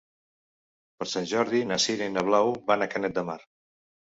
Per Sant Jordi na Sira i na Blau van a Canet de Mar.